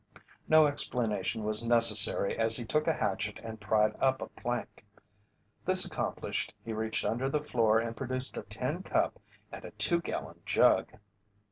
No explanation was necessary as he took a hatchet and pried up a plank. This accomplished, he reached under the floor and produced a tin cup and a two gallon jug.